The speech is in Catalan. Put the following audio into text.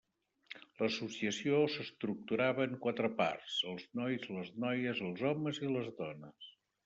L'associació s'estructurava en quatre parts: els nois, les noies, els homes i les dones.